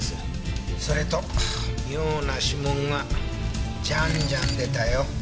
それと妙な指紋がジャンジャン出たよ。